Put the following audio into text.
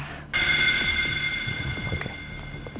gak boleh bilang siapa siapa